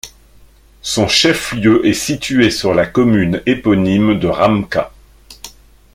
Son chef-lieu est situé sur la commune éponyme de Ramka.